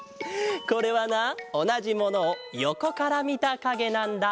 これはなおなじものをよこからみたかげなんだ。